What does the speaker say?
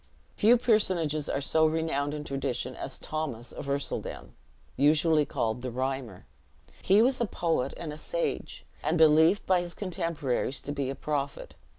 Few personages are so renowned in tradition as Thomas of Ercildown, usually called the Rhymer. He was a poet and a sage, and believed by his contemporaries to be a prophet.